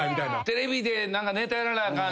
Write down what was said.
テレビでネタやらなあかん。